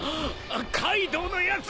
［カイドウのやつ